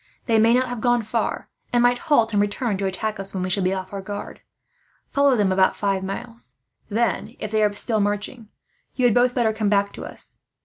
They may not have gone far, and might halt and return to attack us, when we shall be off our guard. "Follow them about five miles; then, if they are still marching, you had both better come back to us.